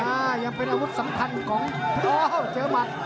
ยังเป็นอาวุธสำคัญของโดเจอหมัด